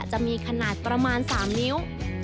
จะมีขนาดประมาณ๓นิ้ว